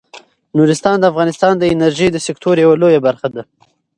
نورستان د افغانستان د انرژۍ د سکتور یوه لویه برخه ده.